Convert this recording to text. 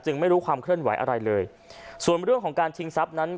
ไม่รู้ความเคลื่อนไหวอะไรเลยส่วนเรื่องของการชิงทรัพย์นั้น